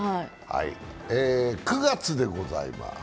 ９月でございます。